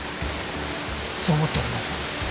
そう思っております